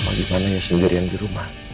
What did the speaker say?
mama gimana ya sendirian di rumah